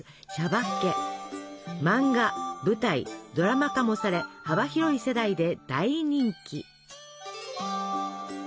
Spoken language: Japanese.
漫画舞台ドラマ化もされ幅広い世代で大人気。